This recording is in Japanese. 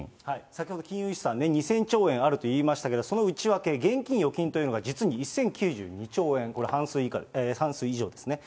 先ほど金融資産２０００兆円あるといいましたけど、その内訳、現金・預金というのが実に１０９２兆円、これ、半数以上ですね。